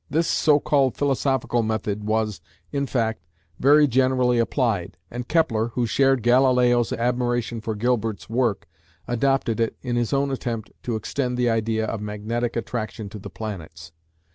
This so called philosophical method was, in fact, very generally applied, and Kepler, who shared Galileo's admiration for Gilbert's work, adopted it in his own attempt to extend the idea of magnetic attraction to the planets.